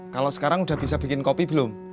kalau sekarang udah bisa bikin kopi belum